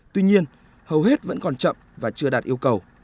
tuy nhiên hầu hết vẫn còn chậm và chưa đạt yêu cầu